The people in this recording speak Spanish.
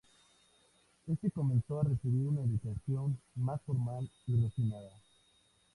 Este comenzó a recibir una educación más formal y refinada.